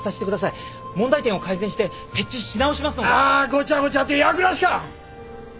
ごちゃごちゃとやぐらしか！